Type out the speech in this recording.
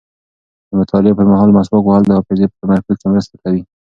د مطالعې پر مهال مسواک وهل د حافظې په تمرکز کې مرسته کوي.